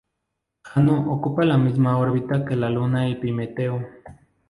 Jano ocupa la misma órbita que la luna Epimeteo.